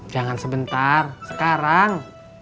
jangan sebentar sekarang